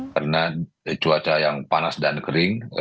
karena cuaca yang panas dan kering